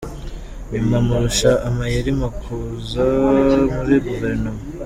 Nyuma murusha amayeri mukuza muri gouvernement.